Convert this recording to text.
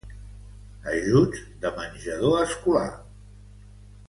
Ajuts de menjador escolar.